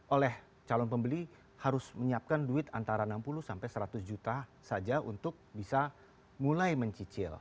oleh calon pembeli harus menyiapkan duit antara enam puluh sampai seratus juta saja untuk bisa mulai mencicil